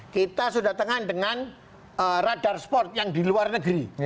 kita sudah tengah dengan radar sport yang di luar negeri